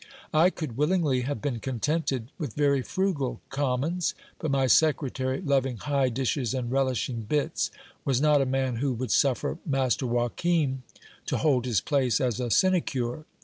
I could willingly have been contented with very frugal commons ; but my secretary, loving high dishes and relishing bits, was not a man who would suffer master Joachim to hold his place as a sinecure.